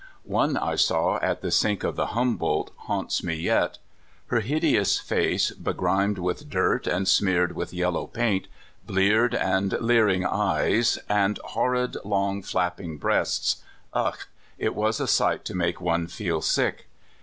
One I saw at the Sink of the Humboldt haunts me yet. Her hideous face, begrimed with dirt and smeared with yellow paint, bleared and leering eyes, and horrid long, flapping breasts — ugh ! it was a sight to make one feel sick.